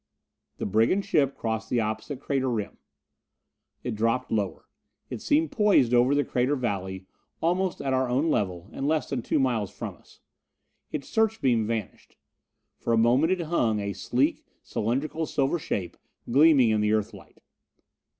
The brigand ship crossed the opposite crater rim. It dropped lower. It seemed poised over the crater valley, almost at our own level and less than two miles from us. Its search beam vanished. For a moment it hung, a sleek, cylindrical silver shape, gleaming in the Earthlight.